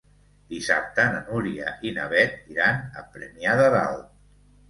Dissabte na Núria i na Beth iran a Premià de Dalt.